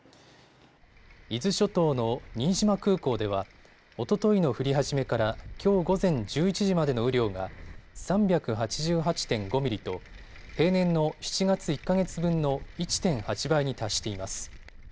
伊豆諸島の新島空港ではおとといの降り始めからきょう午前１１時までの雨量が３８８．５ミリと平年の７月１か月分の１．８倍に達しています。